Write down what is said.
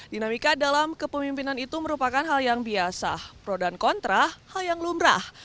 dinamika dalam kepemimpinan itu merupakan hal yang biasa pro dan kontra hal yang lumrah